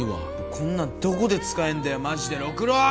こんなんどこで使えんだよマジで六郎！